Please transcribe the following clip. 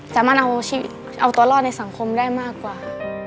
แต่มันเอาตัวรอดในสังคมได้มากกว่า